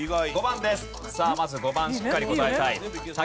さあまず５番しっかり答えたい。